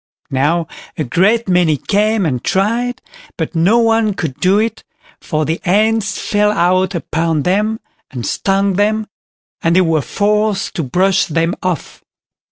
Now a great many came and tried, but no one could do it, for the ants fell out upon them and stung them, and they were forced to brush them off.